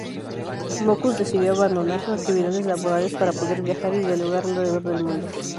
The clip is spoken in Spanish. Mockus decidió abandonar sus actividades laborales, para poder viajar y dialogar alrededor del mundo.